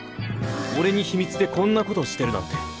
俺に秘密でこんなことしてるなんて。